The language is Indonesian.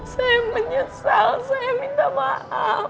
saya menyesal saya minta maaf